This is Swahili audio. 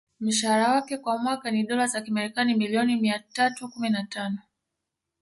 Mshahara wake kwa mwaka ni Dola za kimarekani milioni mia tatu kumi na tano